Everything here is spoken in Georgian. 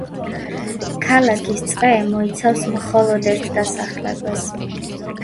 ქალაქის წრე მოიცავს მხოლოდ ერთ დასახლებას.